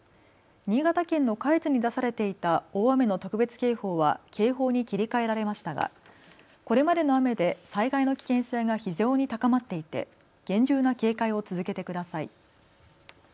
新潟県の下越に出されていた大雨の特別警報は警報に切り替えられましたがこれまでの雨で災害の危険性が非常に高まっていて厳重な警戒を続けてください。